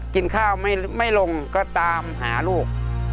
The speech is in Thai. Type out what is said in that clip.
กินข้าวไม่ลงก็ตามหาลูก